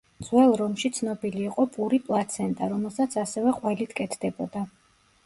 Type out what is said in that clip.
ძველ რომში ცნობილი იყო პური პლაცენტა, რომელსაც ასევე ყველით კეთდებოდა.